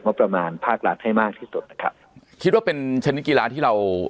ประมาณภาครัฐให้มากที่สุดนะครับคิดว่าเป็นชนิดกีฬาที่เรา